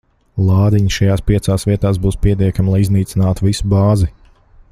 Lādiņi šajās piecās vietās būs pietiekami, lai iznīcinātu visu bāzi.